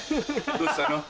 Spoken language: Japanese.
どうしたの？